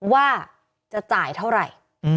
ว่าจะจ่ายเท่าไหร่